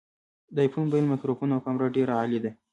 د آیفون مبایل مایکروفون او کامره ډیره عالي ده